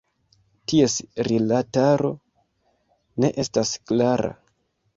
Ties rilataro ne estas klara.